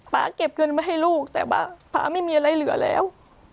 เก็บเงินไว้ให้ลูกแต่ว่าป๊าไม่มีอะไรเหลือแล้ว